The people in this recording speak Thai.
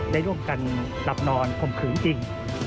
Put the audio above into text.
ได้ร่วมกันหลับนอนข่มขืนจริง